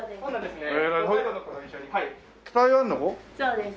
そうですね。